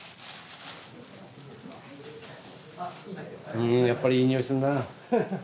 うんやっぱりいい匂いするなあ。